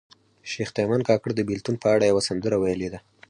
شیخ تیمن کاکړ د بیلتون په اړه یوه سندره ویلې ده